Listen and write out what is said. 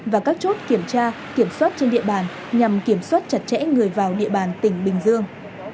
và các chốt kiểm tra kiểm soát trên địa bàn nhằm kiểm soát chặt chẽ người vào địa bàn tỉnh bình dương